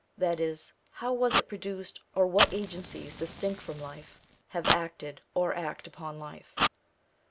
that is, how was it produced, or what agencies distinct from life have acted or act upon life?